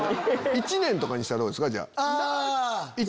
一年とかにしたらどうですか？